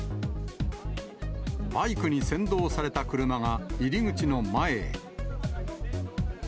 バイクに先導された車が、入り口の前へ。